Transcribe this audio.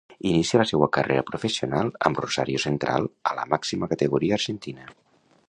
Inicia la seua carrera professional amb Rosario Central a la màxima categoria argentina.